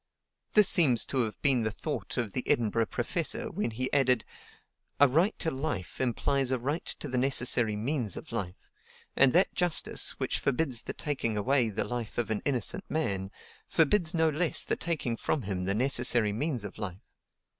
This seems to have been the thought of the Edinburgh professor when he added: "A right to life implies a right to the necessary means of life; and that justice, which forbids the taking away the life of an innocent man, forbids no less the taking from him the necessary means of life.